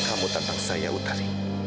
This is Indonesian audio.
kamu tantang saya utari